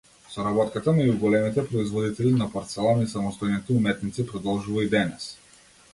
Соработката меѓу големите производители на порцелан и самостојните уметници продолжува и денес.